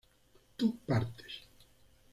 tú partes